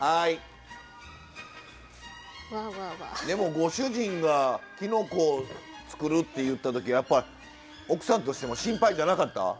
でもご主人がきのこを作るって言った時はやっぱ奥さんとしても心配じゃなかった？